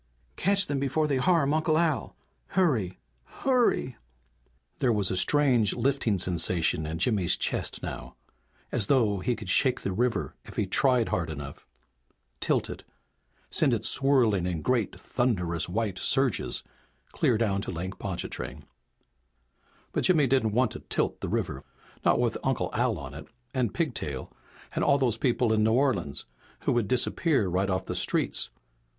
"Catch them before they harm Uncle Al! Hurry! Hurry!" There was a strange lifting sensation in Jimmy's chest now. As though he could shake the river if he tried hard enough, tilt it, send it swirling in great thunderous white surges clear down to Lake Pontchartrain. But Jimmy didn't want to tilt the river. Not with Uncle Al on it and Pigtail, and all those people in New Orleans who would disappear right off the streets.